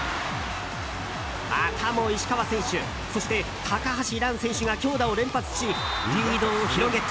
またも石川選手そして高橋藍選手が強打を連発しリードを広げた。